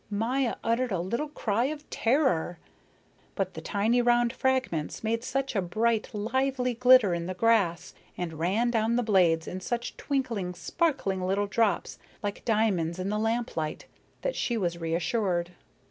Maya uttered a little cry of terror. But the tiny round fragments made such a bright, lively glitter in the grass, and ran down the blades in such twinkling, sparkling little drops like diamonds in the lamplight, that she was reassured.